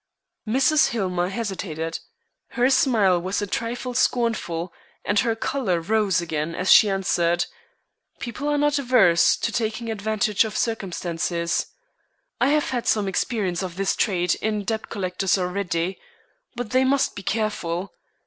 Mrs. Hillmer hesitated. Her smile was a trifle scornful, and her color rose again as she answered: "People are not averse to taking advantage of circumstances. I have had some experience of this trait in debt collectors already. But they must be careful.